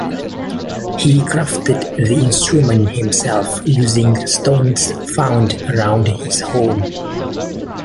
He crafted the instrument himself using stones found around his home.